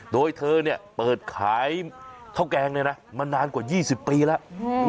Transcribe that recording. โดยเธอเนี่ยเปิดขายข้าวแกงเนี่ยนะมานานกว่า๒๐ปีแล้ว